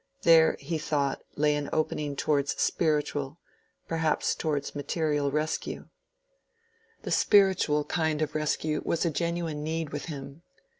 There, he thought, lay an opening towards spiritual, perhaps towards material rescue. The spiritual kind of rescue was a genuine need with him.